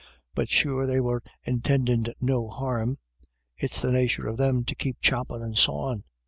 But sure they were intindin' no harm ; it's the nature of them to keep choppin' and sawin'.